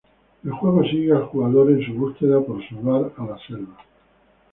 El juego sigue al jugador en su búsqueda para salvar a la selva.